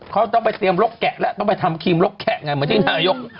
เขาต้องไปเตรียมรกแกะแล้วต้องไปทำครีมลกแกะไงเหมือนที่นายก